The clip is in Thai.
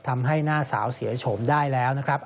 ทำให้หน้าสาวเสียโฉมได้แล้วนะครับ